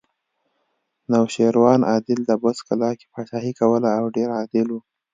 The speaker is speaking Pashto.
نوشیروان عادل د بست کلا کې پاچاهي کوله او ډېر عادل و